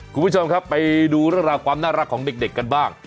คุณผู้ชมครับไปดูเรื่องราวความน่ารักของเด็กกันบ้าง